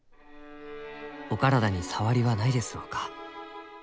お体に障りはないですろうか？